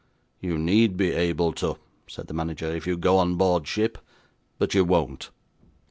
'You need be able to,' said the manager, 'if you go on board ship; but you won't.